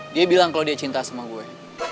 dia bilang kalau dia cinta sama gue